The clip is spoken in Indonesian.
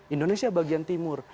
indonesia bagian timur